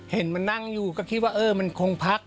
เห็นมันนั่งอยู่ก็คิดว่าเออมันคงพัก